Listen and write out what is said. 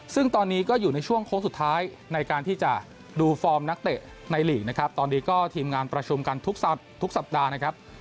ซึ่งตอนนี้ก็อยู่ในช่วงโค้งสุดท้ายในการที่จะดูฟอร์มนักเตะในลีกนะครับตอนนี้ก็ทีมงานประชุมกันทุกสัปดาห์นะครับ